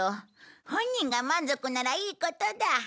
本人が満足ならいいことだ。